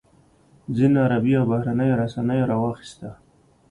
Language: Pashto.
ځینو عربي او بهرنیو رسنیو راواخیسته.